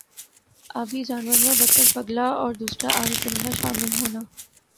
آبی جانور میں بطخ بگلا اور دُوسْرا آبی پرندہ شامل ہونا